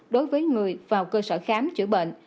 đối với người vào cơ sở khám chữa bệnh